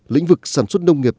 lĩnh vực sản xuất nông nghiệp